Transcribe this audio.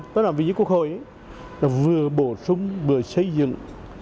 tất cả những quốc hội nó vừa bổ sung vừa xây dựng